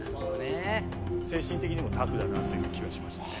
精神的にもタフだなという気はしましたね。